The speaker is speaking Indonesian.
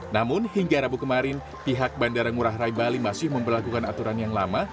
namun hingga rabu kemarin pihak bandara ngurah rai bali masih memperlakukan aturan yang lama